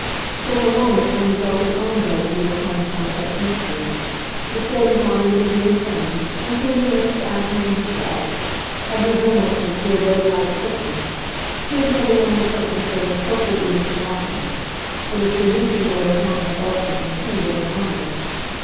There were moments when he felt his own boat move upon some such mystery. The state of mind of his new friends, including Mrs. Assingham herself, had resemblances to a great white curtain. He had never known curtains but as purple even to blackness but as producing where they hung a darkness intended and ominous.